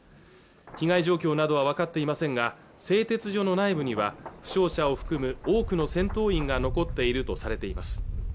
被害状況などは分かっていませんが製鉄所の内部には負傷者を含む多くの戦闘員が残っているとされています